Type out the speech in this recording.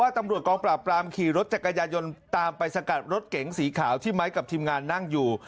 ตำรวจกองปราบปรามขี่รถจักรยายนตามไปสกัดรถเก๋งสีขาวที่ไม้กับทีมงานนั่งอยู่